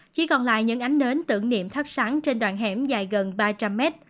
chỉ còn lại những ánh nến tưởng niệm thắp sắn trên đoạn hẻm dài gần ba trăm linh m